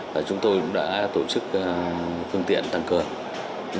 và chúng tôi cũng đã tổ chức phương tiện tăng cường